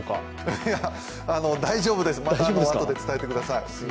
いや、大丈夫です、あとで伝えてください。